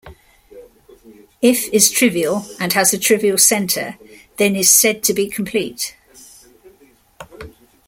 If is trivial and has a trivial center, then is said to be complete.